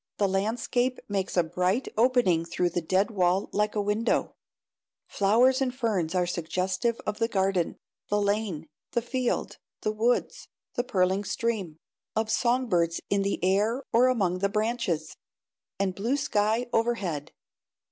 The landscape makes a bright opening through the dead wall like a window; flowers and ferns are suggestive of the garden, the lane, the field, the woods, the purling stream; of song birds in the air or among the branches, and blue sky overhead.